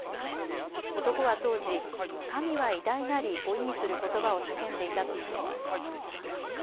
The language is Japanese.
男は当時、神は偉大なりを意味することばを叫んでいたとしています。